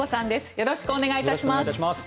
よろしくお願いします。